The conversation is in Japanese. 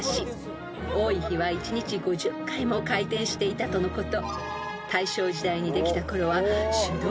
［多い日は一日５０回も回転していたとのこと］